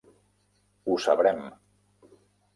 Ho sabrem.